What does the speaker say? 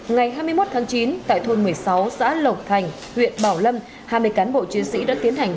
ngày hai mươi một tháng chín tại thôn một mươi sáu xã lộc thành huyện bảo lâm hai mươi cán bộ chiến sĩ đã tiến hành